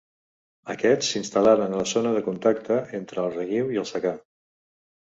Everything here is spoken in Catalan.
Aquests s'instal·laren a la zona de contacte entre el reguiu i el secà.